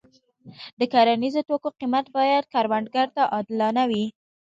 د کرنیزو توکو قیمت باید کروندګر ته عادلانه وي.